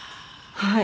はい。